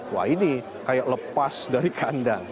wah ini kayak lepas dari kandang